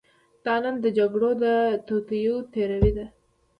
دا د نن د جګړو د توطیو تیوري ده.